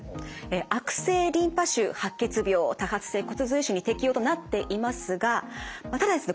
悪性リンパ腫白血病多発性骨髄腫に適用となっていますがただですね